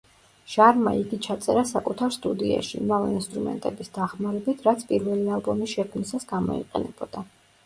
ჟარმა იგი ჩაწერა საკუთარ სტუდიაში, იმავე ინსტრუმენტების დახმარებით, რაც პირველი ალბომის შექმნისას გამოიყენებოდა.